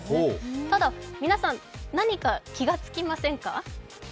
ただ皆さん、何か気がつきませんか？